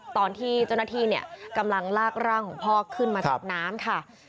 ตอนที่เจ้าหน้าที่เนี่ยกำลังลากร่างของพ่อขึ้นมาจากน้ำค่ะ